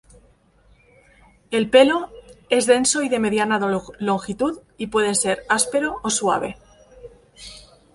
El pelo, es denso y de mediana longitud, y puede ser áspero o suave.